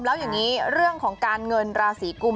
แล้วอย่างนี้เรื่องของการเงินราศีกุม